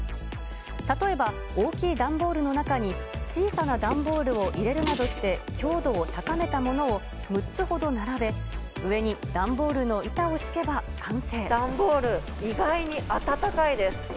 例えば大きい段ボールの中に小さな段ボールを入れるなどして、強度を高めたものを６つほど並べ、段ボール、意外に暖かいです。